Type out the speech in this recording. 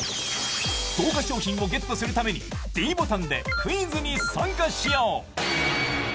豪華賞品をゲットするためにｄボタンでクイズに参加しよう。